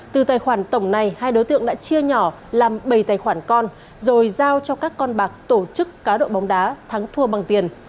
từ tài khoản tổng này hai đối tượng đã chia nhỏ làm bảy tài khoản con rồi giao cho các con bạc tổ chức cá độ bóng đá thắng thua bằng tiền